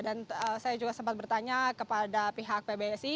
dan saya juga sempat bertanya kepada pihak pbsi